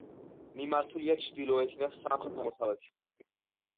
მიმართულია ჩრდილოეთიდან სამხრეთ-აღმოსავლეთისაკენ.